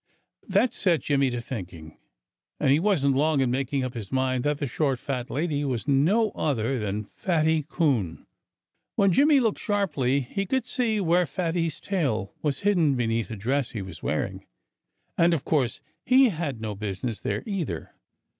That set Jimmy to thinking. And he wasn't long in making up his mind that the short, fat lady was no other than Fatty Coon. When Jimmy looked sharply he could see where Fatty's tail was hidden beneath the dress he was wearing. And, of course, he had no business there, either.